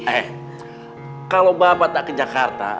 eh kalau bapak tak ke jakarta